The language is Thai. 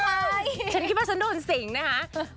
ใช่ฉันคิดว่าฉันโดนสิงนะคะ